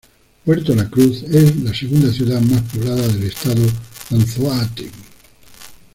Puerto la Cruz es la segunda ciudad más poblada del estado Anzoátegui.